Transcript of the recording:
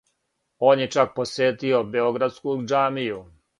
Он је чак посетио београдску џамију.